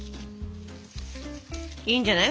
いいんじゃない？